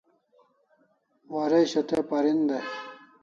Waresho te parin dai